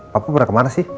papa pernah kemana sih